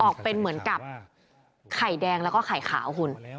ออกเป็นเหมือนกับไข่แดงแล้วก็ไข่ขาวคุณ